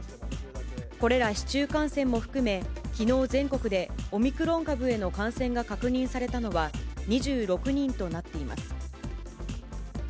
これら市中感染も含め、きのう、全国でオミクロン株への感染が確認されたのは２６人となっています。